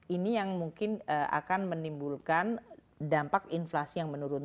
ini yang mungkin akan menimbulkan dampak inflasi yang menurun